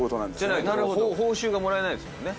でないと報酬がもらえないですもんね。